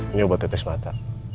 ini obat tetes mata